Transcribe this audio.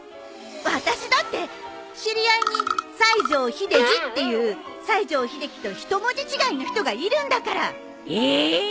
私だって知り合いに西城秀治っていう西城秀樹と一文字違いの人がいるんだから！ええーっ！？